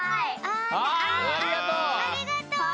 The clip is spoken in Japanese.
ありがとう。